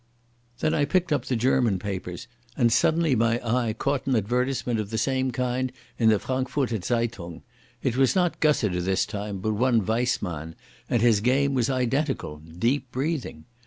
Then I picked up the German papers, and suddenly my eye caught an advertisement of the same kind in the Frankfurter Zeitung. It was not Gussiter this time, but one Weissmann, but his game was identical—"deep breathing".